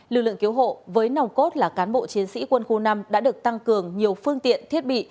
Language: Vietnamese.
lực lượng cứu hộ với nòng cốt là cán bộ chiến sĩ quân khu năm đã được tăng cường nhiều phương tiện thiết bị